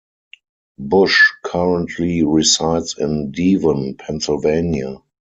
Bush currently resides in Devon, Pennsylvania.